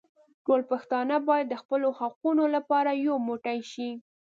ټول پښتانه بايد د خپلو حقونو لپاره يو موټي شي.